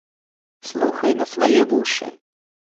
Слухай на свае вушы!